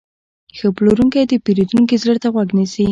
ښه پلورونکی د پیرودونکي زړه ته غوږ نیسي.